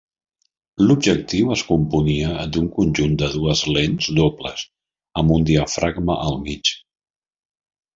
L'objectiu es componia d'un conjunt de dues lents dobles amb un diafragma al mig.